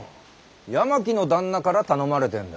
八巻の旦那から頼まれてんだ。